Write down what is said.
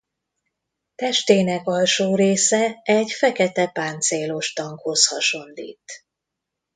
Testének alsó része egy fekete páncélos tankhoz hasonlít.